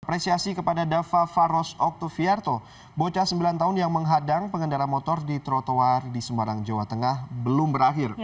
apresiasi kepada dava faros oktoviarto bocah sembilan tahun yang menghadang pengendara motor di trotoar di semarang jawa tengah belum berakhir